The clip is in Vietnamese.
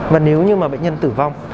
mà nếu như mà bệnh nhân tử vong